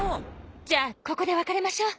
じゃあここでわかれましょう。